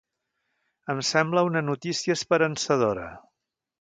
Em sembla una notícia esperançadora.